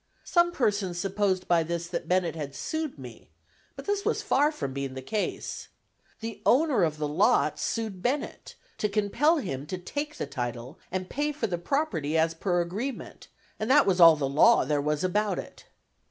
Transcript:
Some persons supposed by this that Bennett had sued me; but this was far from being the case. The owner of the lots sued Bennett, to compel him to take the title and pay for the property as per agreement; and that was all the "law" there was about it.